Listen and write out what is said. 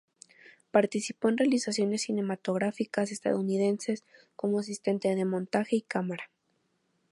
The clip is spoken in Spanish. Participó en realizaciones cinematográficas estadounidenses como asistente de montaje y cámara.